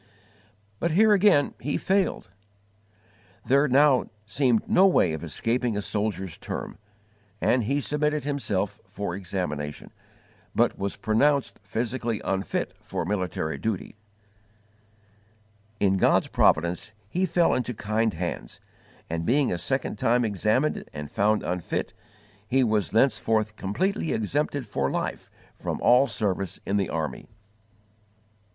But here again he failed. There now seemed no way of escaping a soldier's term, and he submitted himself for examination, but was pronounced physically unfit for military duty. In God's providence he fell into kind hands, and, being a second time examined and found unfit, he was thenceforth _completely exempted for life from all service in the army.